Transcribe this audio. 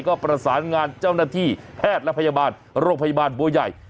ก็ประสานงานเจ้าหน้าที่แพทย์และพยาบาลโรงพยาบาลบัวใหญ่